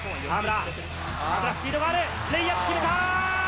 河村、スピードがある、レイアップ決めた！